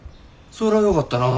そらよかったな。